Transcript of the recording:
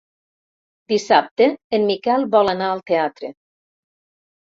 Dissabte en Miquel vol anar al teatre.